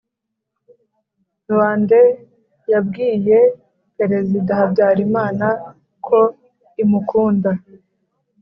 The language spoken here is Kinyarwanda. Rwandais yabwiye perezida Habyarimana ko imukunda.